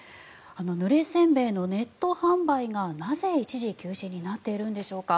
ぬれ煎餅のネット販売がなぜ、一時休止になっているのでしょうか。